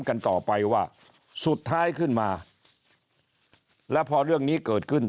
กันต่อไปว่าสุดท้ายขึ้นมาแล้วพอเรื่องนี้เกิดขึ้น